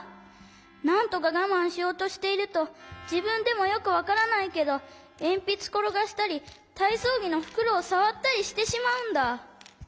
なんとかがまんしようとしているとじぶんでもよくわからないけどえんぴつころがしたりたいそうぎのふくろをさわったりしてしまうんだ。